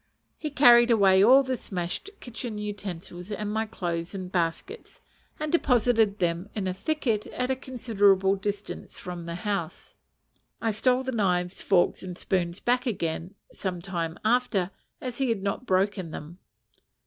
He carried away all the smashed kitchen utensils and my clothes in baskets, and deposited them in a thicket at a considerable distance from the house. (I stole the knives, forks, and spoons back again some time after, as he had not broken them.)